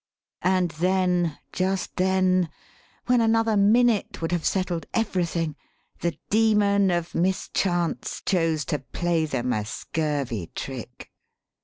And then just then when another minute would have settled everything the demon of mischance chose to play them a scurvy trick.